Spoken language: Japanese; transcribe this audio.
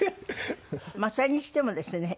まあそれにしてもですね